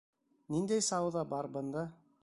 — Ниндәй сауҙа бара бында?